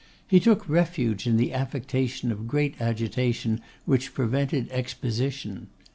He took refuge in the affectation of great agitation which prevented exposition.